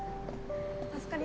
助かります